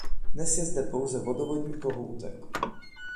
Dnes je zde pouze vodovodní kohoutek.